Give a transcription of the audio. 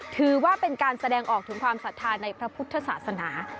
ถือว่าเป็นการแสดงออกถึงความศรัทธาในพระพุทธศาสนา